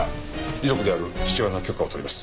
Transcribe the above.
遺族である父親の許可を取ります。